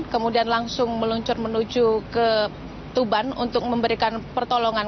kemudian langsung meluncur menuju ke tuban untuk memberikan pertolongan